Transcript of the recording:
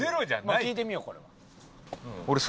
まあ聞いてみようこれも。